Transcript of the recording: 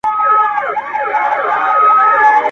راتلونکي ته خوشبین اوسئ.